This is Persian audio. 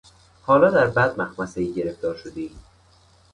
حالا در بد مخمصهای گرفتار شدهای!